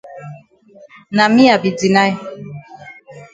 Na me I be deny.